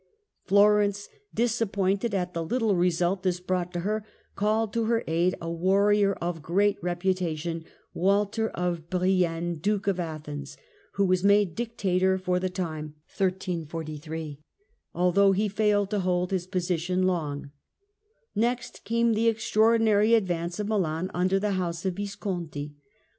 Florence, disap pointed at the little result this brought to her, called to her aid a warrior of great reputation, Walter of The Duke Brienne Duke of Athens, who was made dictator for inFior^ '^^ the time, though he failed to hold his position long, ence, 1343 jv^g^t came the extraordinary advance of Milan under The Vis the House of Visconti.